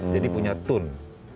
jadi punya tune